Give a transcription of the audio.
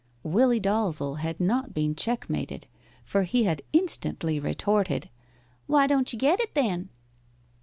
Willie Dalzel had not been checkmated, for he had instantly retorted, "Why don't you get it, then?"